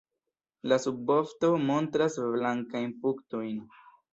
La subvosto montras blankajn punktojn.